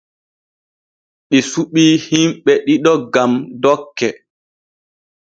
Ɗi suɓii himbe ɗiɗo gam dokke.